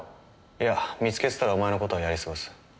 いや見つけてたらお前の事はやりすごす。